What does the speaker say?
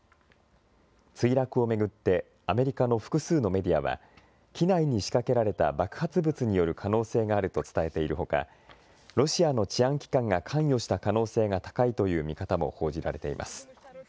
墜落を巡って、アメリカの複数のメディアは、機内に仕掛けられた爆発物による可能性があると伝えているほか、ロシアの治安機関が関与した可能性が高いという見方も報じられています。